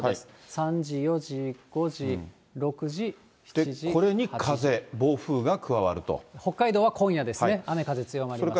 ３時、４時、５時、６時、これに風、北海道は今夜ですね、雨風強まります。